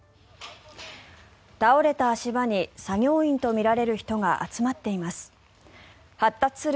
倒れた足場に作業員とみられる人が集まっています。